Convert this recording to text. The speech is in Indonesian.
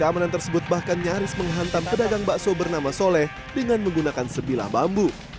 mbak soe bernama soleh dengan menggunakan sebilah bambu